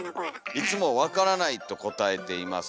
「いつも『分からない』とこたえています。